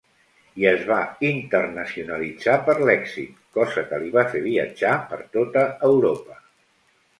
I es va internacionalitzar per l'èxit, cosa que li va fer viatjar per tota Europa.